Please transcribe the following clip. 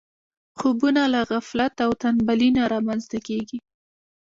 خوبونه له غفلت او تنبلي نه رامنځته کېږي.